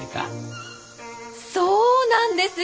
そうなんですよ